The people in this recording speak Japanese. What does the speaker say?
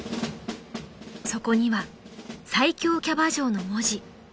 ［そこには「最強キャバ嬢」の文字］